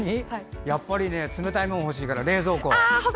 やっぱり冷たいものが欲しいから、冷蔵庫。